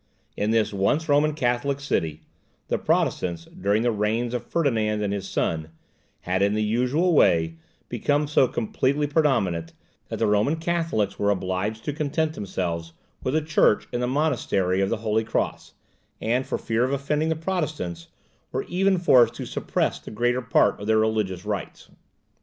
In this once Roman Catholic city, the Protestants, during the reigns of Ferdinand and his son, had, in the usual way, become so completely predominant, that the Roman Catholics were obliged to content themselves with a church in the Monastery of the Holy Cross, and for fear of offending the Protestants, were even forced to suppress the greater part of their religious rites.